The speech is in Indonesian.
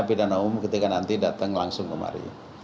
pidana umum ketika nanti datang langsung kemari